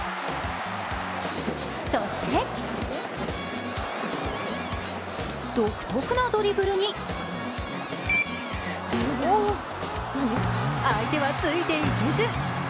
そして、独特なドリブルに相手はついていけず。